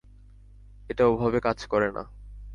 এটা ওভাবে কাজ করে না।